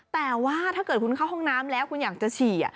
แต่ว่าถ้าเกิดคุณเข้าห้องน้ำแล้วคุณอยากจะฉี่